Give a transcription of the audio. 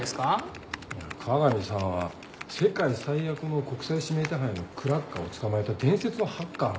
いや加賀美さんは世界最悪の国際指名手配のクラッカーを捕まえた伝説のハッカーなんだよ。